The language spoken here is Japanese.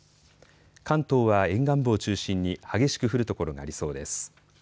関東は沿岸部を中心に激しく降る所がありそうです。